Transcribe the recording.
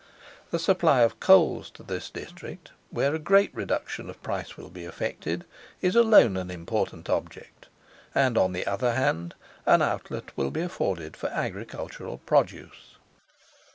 The supply of coals to this district, where a great reduction of price will be effected, is alone an important object; and, on the other hand, an outlet will be afforded for agricultural produce.